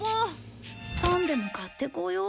パンでも買ってこよう。